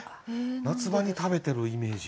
夏場に食べてるイメージ。